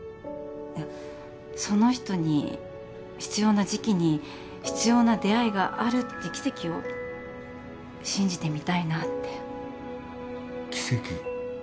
その人に必要な時期に必要な出会いがあるって奇跡を信じてみたいなって奇跡？